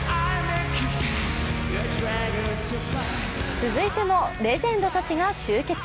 続いても、レジェンドたちが集結。